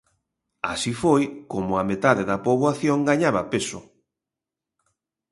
Así foi como a metade da poboación gañaba peso.